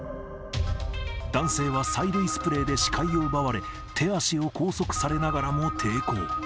男性は催涙スプレーで視界を奪われ、手足を拘束されながらも抵抗。